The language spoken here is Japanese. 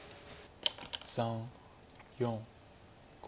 ３４５。